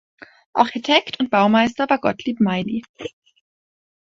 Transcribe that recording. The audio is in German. Architekt und Baumeister war Gottlieb Meili.